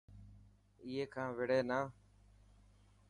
اي کان وڙي نا.